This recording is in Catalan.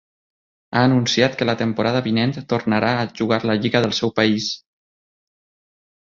Ha anunciat que la temporada vinent tornarà a jugar la lliga del seu país.